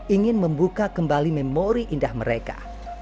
ingin membuka kembali memori indah mereka